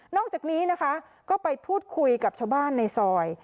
อกจากนี้นะคะก็ไปพูดคุยกับชาวบ้านในซอย